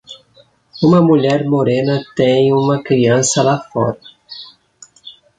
Uma mulher morena tem uma criança lá fora.